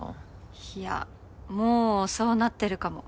いやもうそうなってるかも。